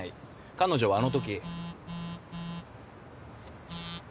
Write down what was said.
彼女はあのとき。